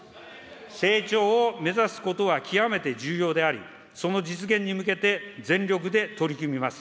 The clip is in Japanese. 成長を目指すことは極めて重要であり、その実現に向けて全力で取り組みます。